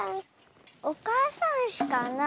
おかあさんうしかな